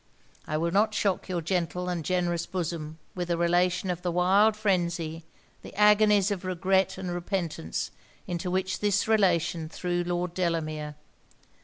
I will not shock your gentle and generous bosom with a relation of the wild phrenzy, the agonies of regret and repentance, into which this relation threw Lord Delamere.